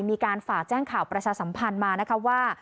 มีการฝากแจ้งข่าวประชาสัมพันธ์มานะคะว่า